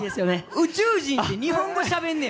宇宙人って日本語しゃべんねや。